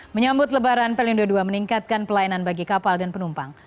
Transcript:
menyambut lebaran pelindo ii meningkatkan pelayanan bagi kapal dan penumpang